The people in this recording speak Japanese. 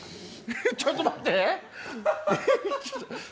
ちょっと待って。